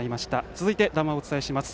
続いて談話をお伝えします。